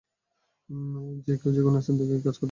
যে-কেউ যেকোনো স্থান থেকে এখানে কাজ করতে পারেন।